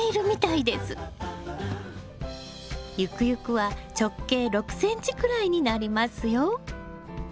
ゆくゆくは直径６ｃｍくらいになりますよ。